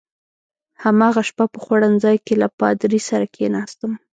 هماغه شپه په خوړنځای کې له پادري سره کېناستم.